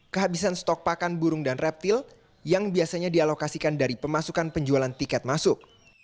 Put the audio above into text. kehabisan stok pakan burung dan reptil yang biasanya dialokasikan dari pemasukan penjualan tiket masuk